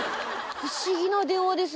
不思議な電話です。